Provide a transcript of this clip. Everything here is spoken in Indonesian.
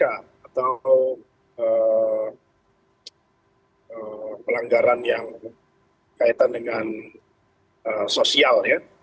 atau pelanggaran yang kaitan dengan sosial ya